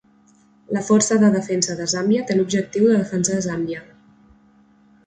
La Força de Defensa de Zàmbia té l'objectiu de defensar Zàmbia.